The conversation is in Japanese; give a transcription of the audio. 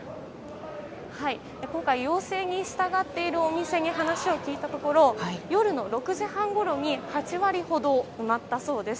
今回、要請に従っているお店に話を聞いたところ夜の６時半ごろに８割ほど埋まったそうです。